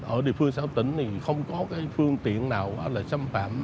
ở địa phương xã hội tỉnh không có phương tiện nào xâm phạm